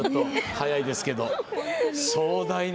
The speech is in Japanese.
早いですけど。